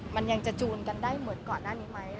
มันยังจะจูนกันได้เหมือนก่อนหน้านี้ไหม